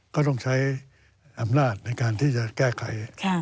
ก็ต้องใช้อำนาจในการที่จะแก้ไข